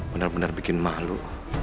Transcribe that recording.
benar benar bikin malu